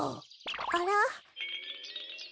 あら？